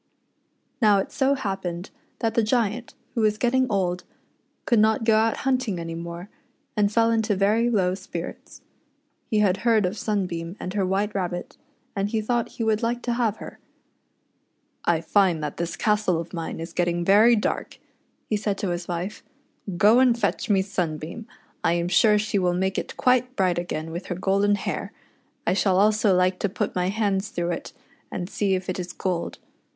Now it so happened that the Giant, who was getting old, could not go out hunting any more, and lell into very low spirits. He had heard of Sunbeam and her SUXBEAM AXD HEK WHITE RABBIT. 71 Wliitc Rabbit, and he thou^'ht he would Hke to have her. " I find that this castle of mine is getting very dark," lie said to his wife; "go and fetch me Sunbeam. I am sure she will make it quite bright again with her golden hair. I shall also like to put my hands throu^^h it, and see if it is gold.